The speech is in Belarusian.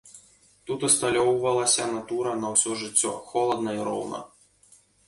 Тут усталёўвалася натура на ўсё жыццё, холадна і роўна.